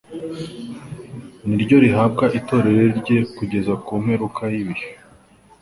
ni ryo rihabwa itorero rye kugeza ku mperuka y'ibihe.